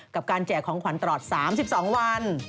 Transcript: กับการแจกของขวัญตลอด๓๒วัน